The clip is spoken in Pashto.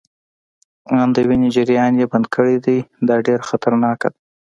آن د وینې جریان يې بند کړی دی، دا ډیره خطرناکه ده.